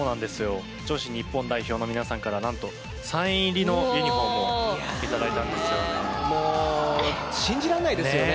女子日本代表の皆さんから何とサイン入りのユニホームをもう、信じらんないですよね。